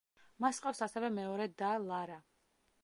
მას ჰყავს ასევე მეორე და ლარა.